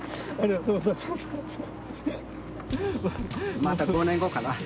また５年後かな